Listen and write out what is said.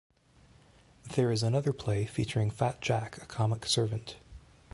There is another play featuring Fat Jack, a comic servant.